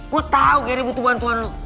gue tau gary butuh bantuan lo